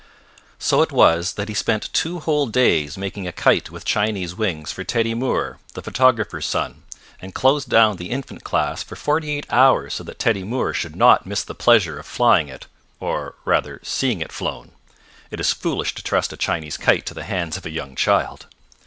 So it was that he spent two whole days making a kite with Chinese wings for Teddy Moore, the photographer's son, and closed down the infant class for forty eight hours so that Teddy Moore should not miss the pleasure of flying it, or rather seeing it flown. It is foolish to trust a Chinese kite to the hands of a young child.